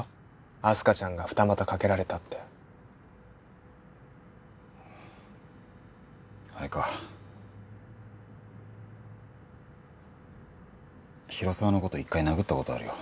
明日香ちゃんが二股かけられたってあれか広沢のこと１回殴ったことあるよ